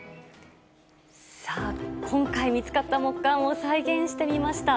さあ、今回見つかった木簡を再現してみました。